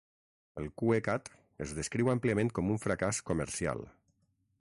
El CueCat es descriu àmpliament com un fracàs comercial.